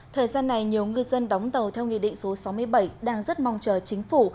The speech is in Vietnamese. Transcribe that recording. thời gian này nhiều ngư dân đóng tàu theo nghị định số sáu mươi bảy đang rất mong chờ chính phủ